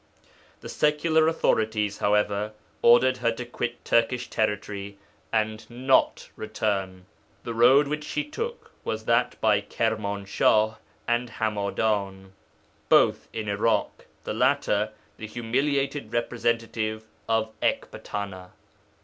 The secular authorities, however, ordered her to quit Turkish territory and not return. The road which she took was that by Kirmanshah and Hamadan (both in Iraḳ; the latter, the humiliated representative of Ecbatana).